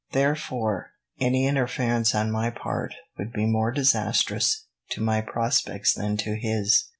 Therefore, any interference on my part would be more disastrous to my prospects than to his.